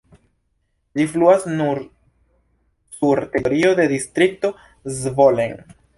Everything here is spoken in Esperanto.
Ĝi fluas nur sur teritorio de Distrikto Zvolen.